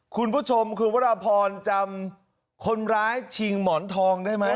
คุณผู้ชมคุณวรพรจำคนร้ายชิงหมอนทองได้ไหม